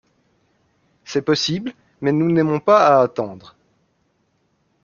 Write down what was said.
C’est possible, mais nous n’aimons pas à attendre.